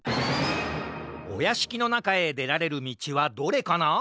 おやしきのなかへでられるみちはどれかな？